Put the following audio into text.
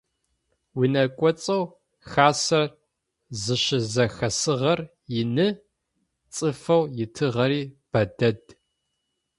Унэ кӏоцӏэу хасэр зыщызэхэсыгъэр ины, цӏыфэу итыгъэри бэ дэд.